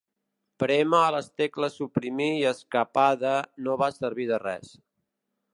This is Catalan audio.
Prémer les tecles suprimir i escapada no va servir de res.